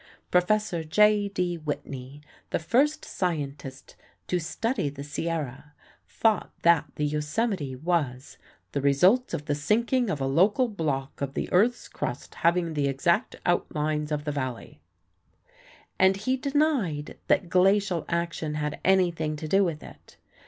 Prof. J. D. Whitney, the first scientist to study the Sierra, thought that the Yosemite was "the result of the sinking of a local block of the earth's crust having the exact outlines of the Valley," and he denied that glacial action had anything to do with it.